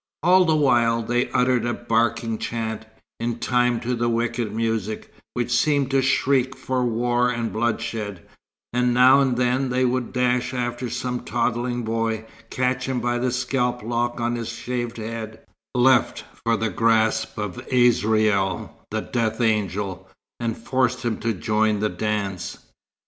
All the while, they uttered a barking chant, in time to the wicked music, which seemed to shriek for war and bloodshed; and now and then they would dash after some toddling boy, catch him by the scalp lock on his shaved head (left for the grasp of Azraïl the death angel) and force him to join the dance.